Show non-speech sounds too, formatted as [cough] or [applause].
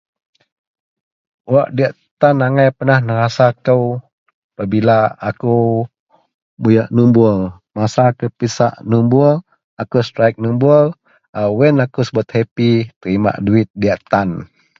Wak diyak tan angai pernah nerasa kou apabila akou buyak nobor masa akou pisak nobor akou strike nobor wak iyen subet akou hepi [laughs] terima duwit diyak tan.